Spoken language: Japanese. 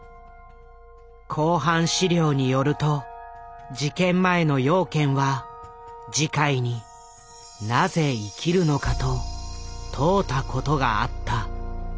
公判資料によると事件前の養賢は慈海に「なぜ生きるのか？」と問うたことがあった。